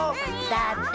だって。